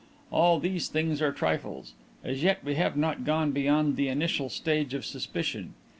All these things are trifles. As yet we have not gone beyond the initial stage of suspicion.